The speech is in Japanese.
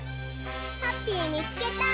ハッピーみつけた！